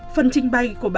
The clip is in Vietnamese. phân trình bay của bà